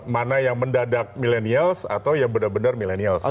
mana yang mendadak millennials atau yang benar benar milenials